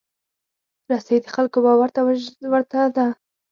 رسۍ د خلکو باور ته ورته ده.